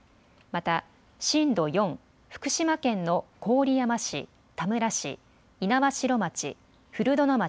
また震度４、福島県の郡山市、田村市、猪苗代町、古殿町、